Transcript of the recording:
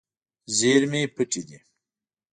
زیرمې پټې دي.